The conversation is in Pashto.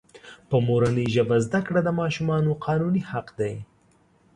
په مورنۍ ژبه زده کړه دماشومانو قانوني حق دی.